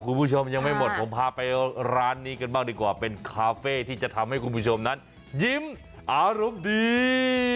คุณผู้ชมยังไม่หมดผมพาไปร้านนี้กันบ้างดีกว่าเป็นคาเฟ่ที่จะทำให้คุณผู้ชมนั้นยิ้มอารมณ์ดี